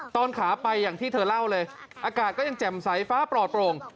ตอนขาไปอย่างที่เธอเล่าเลยอากาศก็ยังแจ่มใสฟ้าปลอดโปร่ง